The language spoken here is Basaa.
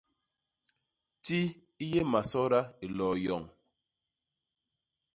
Ti i yé masoda i loo yoñ.